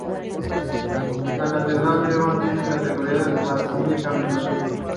La catedral de Évora tiene categoría de Basílica menor.